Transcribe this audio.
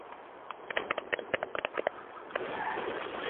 დედამისი შვილს მარტოობაში ზრდიდა, გარკვეული პერიოდი იგი ბავშთა სახლში ცხოვრობდა.